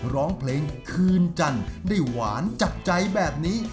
ร้องเพลงคืนจันทร์ได้หวานจับใจแบบนี้